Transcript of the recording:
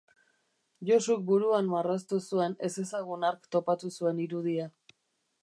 Josuk buruan marraztu zuen ezezagun hark topatu zuen irudia.